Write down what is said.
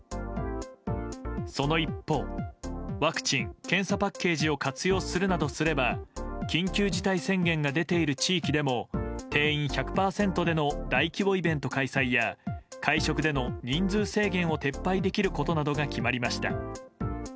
その一方ワクチン・検査パッケージを活用するなどすれば緊急事態宣言が出ている地域でも定員１００％での大規模イベント開催や会食での人数制限を撤廃できることなどが決まりました。